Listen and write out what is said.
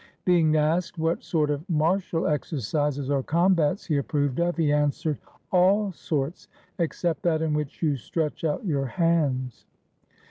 Being asked what sort of martial exercises or combats he approved of, he answered, "All sorts, except that in which you stretch out your hands."